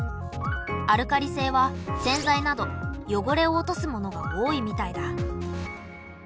アルカリ性は洗剤などよごれを落とすものが多いみたいだ。